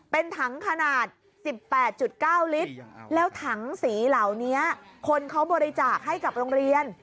เป็นถังขนาด๑๘๙ลิตรแล้วถังสีเหล่านี้คนเขาบริจาคให้กับโรงเรียน